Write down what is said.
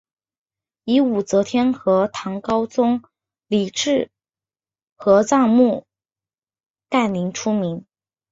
以武则天和唐高宗李治合葬墓干陵出名。